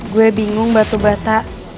gue bingung batu bata